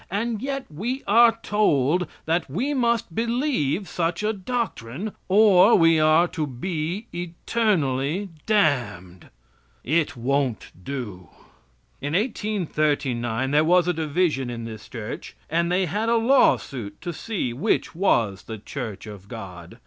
And yet we are told that we must believe such a doctrine, or we are to be eternally damned! It won't do. In 1839 there was a division in this Church, and they had a lawsuit to see which was the Church of God.